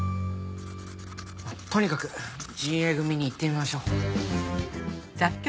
とにかく仁英組に行ってみましょう。